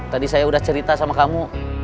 tadi saya udah cerita sama kamu